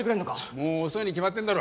もう遅いに決まってんだろ。